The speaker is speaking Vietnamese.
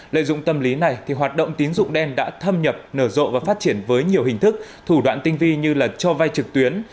lợi dụng tâm lý này hoạt động tín dụng đen đã thâm nhập nở rộ và phát triển với nhiều hình thức thủ đoạn tinh vi như cho vai trực tuyến